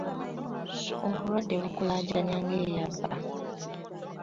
Obulwadde bukulaajanya ng’eyabba.